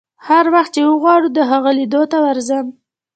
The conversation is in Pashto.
هر وخت چې وغواړم د هغو لیدو ته ورځم.